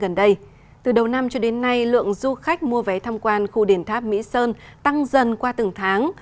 gần đây từ đầu năm cho đến nay lượng du khách mua vé thăm quan khu đền tháp mỹ sơn tăng dần qua từng tháng